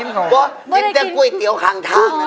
พ่อได้กินของเขาครับเพราะกินแต่กุ้ยเตี๋ยวข้างทางนะครับ